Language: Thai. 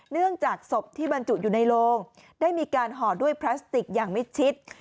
เนื่องจากศพที่บรรจุอยู่ในโลงได้มีการห่อด้วยพลาสติกอย่างมิดชิด